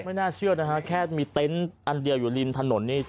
ไม่น่าเชื่อนะฮะแค่มีเต็นต์อันเดียวอยู่ริมถนนนี่